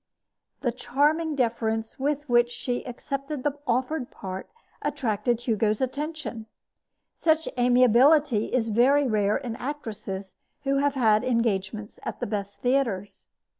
The charming deference with which she accepted the offered part attracted Hugo's attention. Such amiability is very rare in actresses who have had engagements at the best theaters.